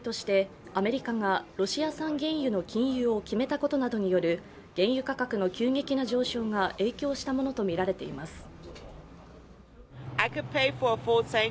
ロシアへの新たな制裁として、アメリカがロシア産原油の禁輸を決めたことになどによる原油価格の急激な上昇が影響したものとみられます。